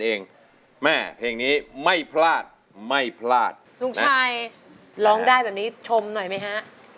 เพลงแม่เพลงนี้ไม่พลาดไม่พลาดลูกชายร้องได้แบบนี้ชมหน่อยไหมฮะ